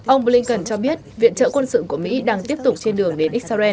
ông blinken cho biết viện trợ quân sự của mỹ đang tiếp tục trên đường đến israel